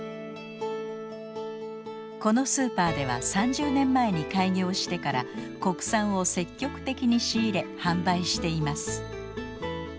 このスーパーでは３０年前に開業してから国産を積極的に仕入れ販売しています。